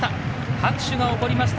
拍手が起こりました。